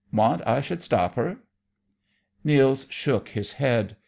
Want I should stop her?" Nils shook his head.